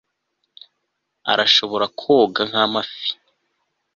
arashobora koga nk'amafi